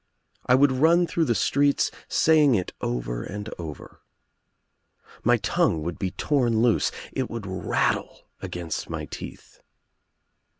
I would run through the streets saying it over and over. My tongue would be torn loose — it would rattle against my teeth.